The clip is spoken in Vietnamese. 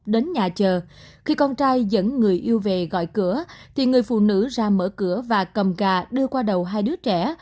đến nhà chờ khi con trai dẫn người yêu về gọi cửa thì người phụ nữ ra mở cửa và cầm gà đưa qua đầu hai đứa trẻ